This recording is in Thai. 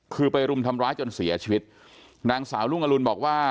คือไปรุมทำร้ายจนเสียชีวิตนางสาวรุ่งอรุณบอกว่า